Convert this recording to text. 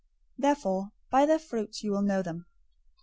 007:020 Therefore, by their fruits you will know them.